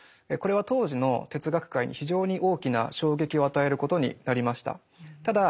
これは当時の哲学界に非常に大きな衝撃を与えることになりました。